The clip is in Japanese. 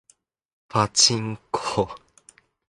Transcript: パチンコ